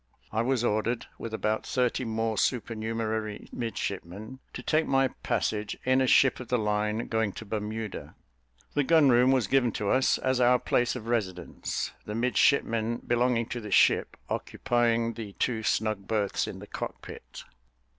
I was ordered, with about thirty more supernumerary midshipmen, to take my passage in a ship of the line, going to Bermuda. The gun room was given to us as our place of residence, the midshipmen belonging to the ship occupying the two snug berths in the cockpit.